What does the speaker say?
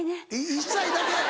１歳だけ？